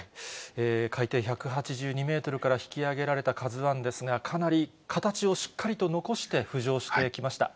海底１８２メートルから引き揚げられたＫＡＺＵＩですが、かなり形をしっかりと残して浮上してきました。